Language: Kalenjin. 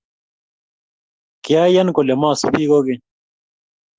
Kyayan kole masubi kogeny